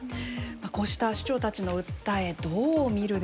こうした市長たちの訴えどう見るでしょうか。